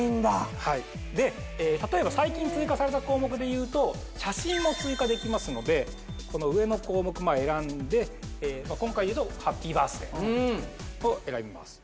はいで例えば最近追加された項目で言うと写真も追加できますのでこの上の項目まあ選んで今回で言うと「ＨＡＰＰＹＢＩＲＴＨＤＡＹ」を選びます